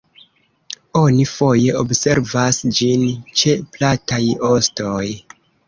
Oni foje observas ĝin ĉe plataj ostoj.